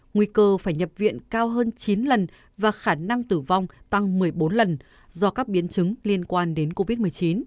nguy cơ phải nhập viện cao hơn chín lần và khả năng tử vong tăng một mươi bốn lần do các biến chứng liên quan đến covid một mươi chín